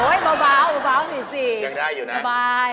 โอยเบายังได้อยู่แล้ว